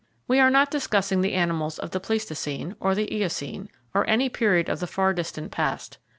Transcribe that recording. We are not discussing the animals of the Pleistocene, or the Eocene, or any period of the far distant Past.